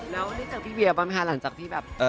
แล้วเธอรู้จักพี่เวียเป็นไงบ้างคะหลังจากที่แบบ